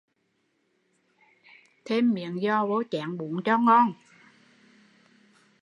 Thêm miếng giò vô chén bún cho vui